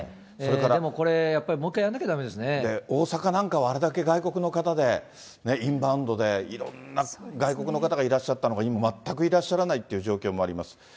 でもこれ、やっぱりもう一回やら大阪なんかはあれだけ外国の方で、インバウンドで、いろんな外国の方がいらっしゃったのが、今全くいらっしゃらないという状況もあります。